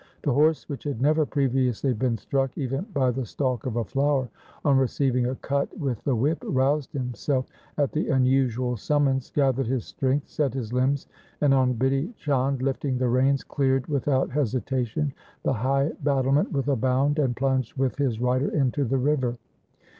The horse, which had never previously been struck even by the stalk of a flower, on receiving a cut with the whip roused himself at the unusual summons, gathered his strength, set his limbs, and on Bidhi Chand lifting the reins cleared without hesitation the high battlement with a bound, and plunged with his rider into the river.